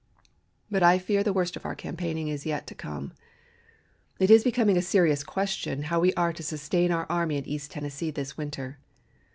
"But I fear the worst of our campaigning is yet to come. It is becoming a serious question how we are to sustain our army in East Tennessee this winter.